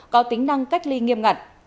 có tính năng cách ly nghiêm ngại